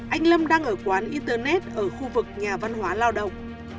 anh lâm đang ở quán internet ở khu vực nhà văn hóa lao động